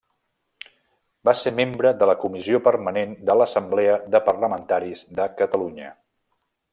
Va ser membre de la Comissió Permanent de l'Assemblea de Parlamentaris de Catalunya.